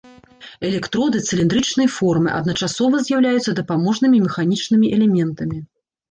Электроды цыліндрычнай формы, адначасова з'яўляюцца дапаможнымі механічнымі элементамі.